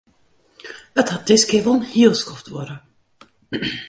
It hat diskear wol in hiel skoft duorre.